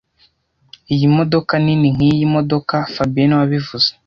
Iyi modoka nini nkiyi modoka fabien niwe wabivuze